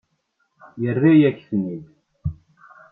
Yerra-yak-ten-id.